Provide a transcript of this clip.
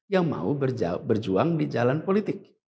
yang mau berjuang di jalan politik